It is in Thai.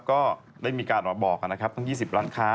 ก็ได้มีการออกมาบอกนะครับตั้ง๒๐ร้านค้า